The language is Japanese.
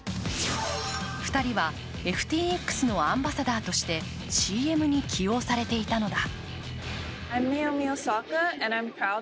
２人は、ＦＴＸのアンバサダーとしてＣＭに起用されていたのだ。